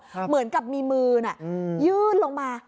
เหมือนกับมีมือน่ะยื่นลงมา